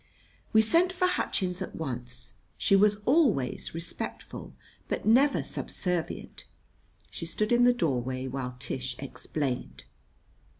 We sent for Hutchins at once. She was always respectful, but never subservient. She stood in the doorway while Tish explained.